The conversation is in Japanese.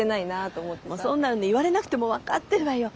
もうそんなのね言われなくても分かってるわよ。